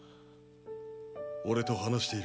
俺と話している